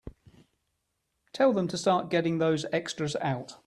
Tell them to start getting those extras out.